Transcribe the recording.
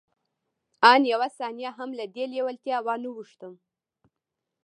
آن يوه ثانيه هم له دې لېوالتیا وانه وښتم.